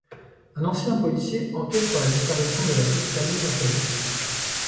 Un ancien policier enquête sur la disparition de la petite amie d'un collègue.